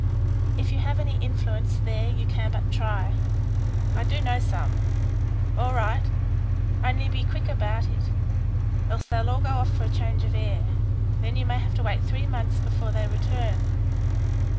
If you have any influence there you can but try." "I do know some." "All right; only be quick about it. Else they'll all go off for a change of air; then you may have to wait three months before they return.